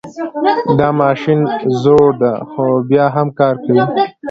دا ماشین زوړ ده خو بیا هم کار کوي